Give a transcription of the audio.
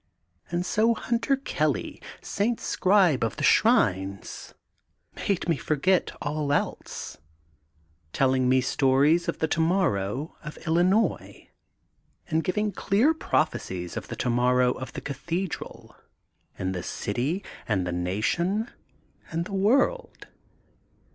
And so Hunter Kelly, St. Scribe of the Shrines, made me forget all else, telling me stories of the tomorrow of Illinois and giving clear prophecies of the tomorrow of the Cathe dral, in the city and the nation and the world.